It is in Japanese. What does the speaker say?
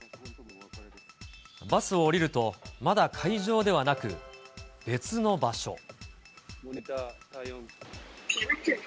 バスを降りると、まだ会場ではなく別の場所。